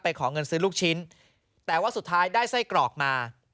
ขอเงินซื้อลูกชิ้นแต่ว่าสุดท้ายได้ไส้กรอกมา